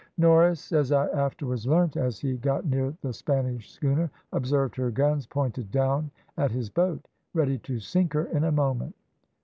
"Norris, as I afterwards learnt, as he got near the Spanish schooner observed her guns pointed down at his boat, ready to sink her in a moment.